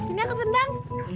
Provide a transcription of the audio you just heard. ini aku tendang